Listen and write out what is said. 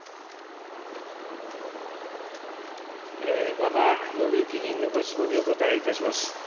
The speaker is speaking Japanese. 馬場伸幸議員のご質問にお答えいたします。